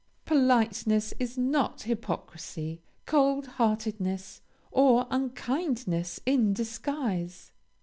Politeness is not hypocrisy: cold heartedness, or unkindness in disguise.